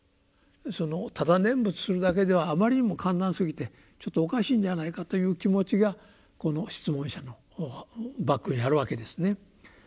「ただ念仏するだけではあまりにも簡単すぎてちょっとおかしいんじゃないか」という気持ちがこの質問者のバックにあるわけですね。